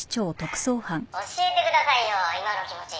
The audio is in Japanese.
「教えてくださいよ今の気持ち」